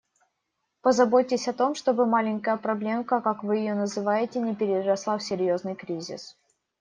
Позаботьтесь о том, чтобы «маленькая проблемка», как вы ее называете, не переросла в серьёзный кризис.